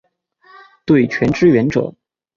对拳支援者